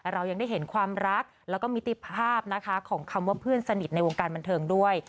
เรายังได้เห็นความรักแล้วก็มิติภาพนะคะของคำว่าเพื่อนสนิทในวงการบันเทิงด้วย